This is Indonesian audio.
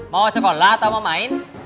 mau sekolah atau mau main